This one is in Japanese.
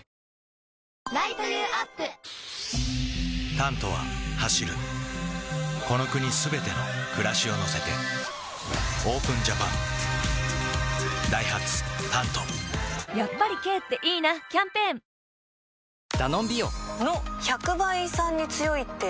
「タント」は走るこの国すべての暮らしを乗せてＯＰＥＮＪＡＰＡＮダイハツ「タント」やっぱり軽っていいなキャンペーンカレーエビフライ！